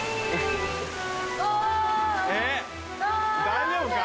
大丈夫か？